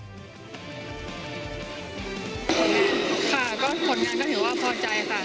ผลงานค่ะก็ผลงานก็ถือว่าพอใจค่ะ